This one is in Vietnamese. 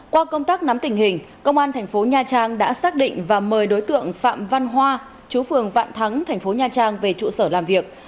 qua công tác nắm tình hình công an thành phố nha trang đã xác định và mời đối tượng phạm văn hoa chú phường vạn thắng thành phố nha trang về trụ sở làm việc